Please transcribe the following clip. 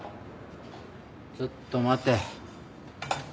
ちょっと待て。